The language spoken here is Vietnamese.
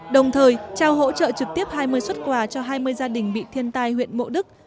đồng thời trao hỗ trợ trực tiếp hai mươi xuất quà cho hai mươi gia đình bị thiên tai huyện mộ đức